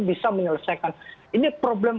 bisa menyelesaikan ini problem